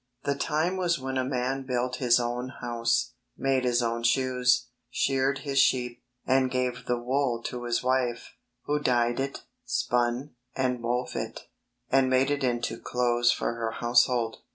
The time was when a man built his own house, made his own shoes, sheared his sheep, and gave the wool to his wife, who 8o THE WAY OF HOLINESS dyed it, spun, and wove it, and made it into clothes for her household.